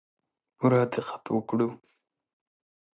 پوره دقت وکړو.